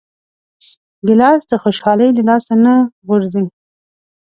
ګیلاس د خوشحالۍ له لاسه نه غورځي.